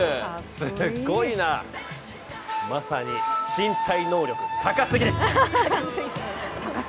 すごいな、まさに身体能力たかすぎです。